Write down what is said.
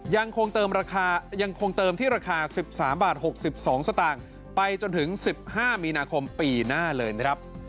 ยังคงเติมที่ราคา๑๓บาท๖๒สตางค์ไปจนถึง๑๕มีนาคมปีหน้าเลยนะครับ